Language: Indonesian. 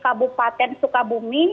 ke kabupaten sukabumi